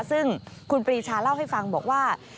ซึ่งคุณปรีชาเล่าให้ฟังบอกว่า